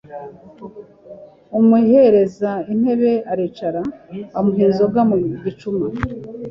" Amuhereza intebe aricara, amuha inzoga mu gicuma,